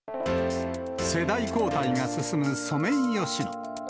世代交代が進むソメイヨシノ。